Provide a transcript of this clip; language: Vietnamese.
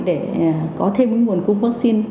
để có thêm một nguồn cung vaccine